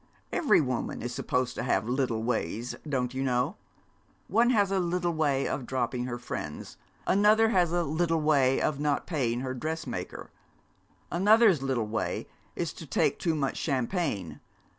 Every woman is supposed to have little ways, don't you know. One has a little way of dropping her friends; another has a little way of not paying her dressmaker; another's little way is to take too much champagne.